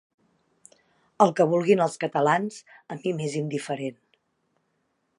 El que vulguin els catalans, a mi m'és indiferent.